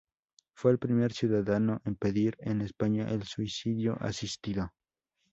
Fue el primer ciudadano en pedir en España el suicidio asistido.